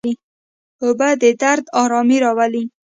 اوبه د درد آرامي راولي.